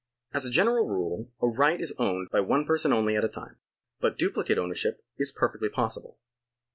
As a general rule a right is owned by one person only at a time, but duplicate ownership is perfectly possible.